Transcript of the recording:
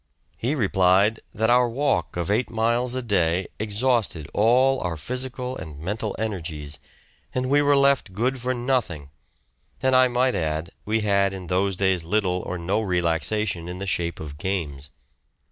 He replied that our walk of eight miles a day exhausted all our physical and mental energies, and we were left good for nothing; and I might add we had in those days little or no relaxation in the shape of games.